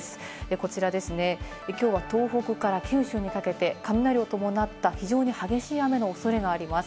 こちらですね、きょうは東北から九州にかけて、雷を伴った非常に激しい雨のおそれがあります。